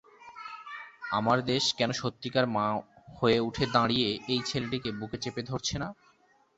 আমার দেশ কেন সত্যিকার মা হয়ে উঠে দাঁড়িয়ে এই ছেলেটিকে বুকে চেপে ধরছে না?